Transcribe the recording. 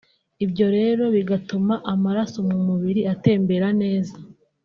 ibyo rero bigatuma amaraso mu mubiri atembera neza